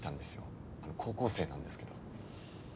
高校生なんですけど。